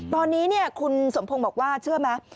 ตอนนี้คุณสมพงศ์บอกว่าเชื่อไหม